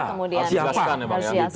harus dijelaskan ya pak ya